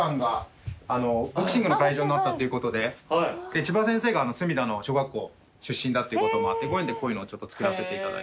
ちば先生が墨田の小学校出身だっていうこともあってご縁でこういうのをちょっと作らせていただいて。